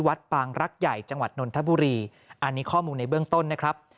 ปางรักใหญ่จังหวัดนนทบุรีอันนี้ข้อมูลในเบื้องต้นนะครับ